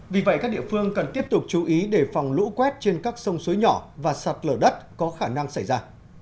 vì vậy các địa phương cần tiếp tục chú ý để phòng lũ quét trên các sông suối nhỏ và sạt lở đất có khả năng xảy ra